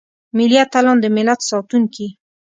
ملي اتلان دملت ساتونکي.